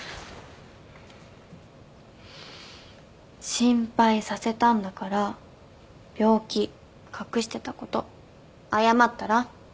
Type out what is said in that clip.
心配させたんだから病気隠してたこと謝ったら？